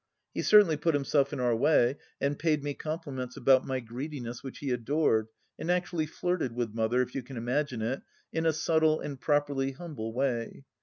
He certainly put himself in our way and paid me compliments about my greediness which he adored, and actually flirted with Mother, if you can imagme it, in a subtle and properly humble way.